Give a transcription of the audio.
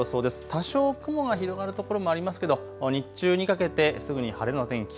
多少雲が広がる所もありますけど日中にかけてすぐに晴れの天気。